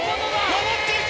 上っていく！